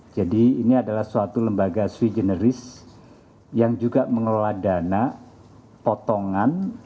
jadi ini adalah suatu lembaga sui generis yang juga mengelola dana potongan